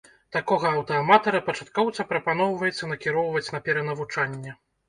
Такога аўтааматара-пачаткоўца прапаноўваецца накіроўваць на перанавучанне.